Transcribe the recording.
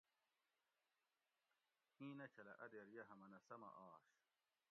ایں نہ چھلہ اۤ دیر یہ ھمن اۤ سمہ آش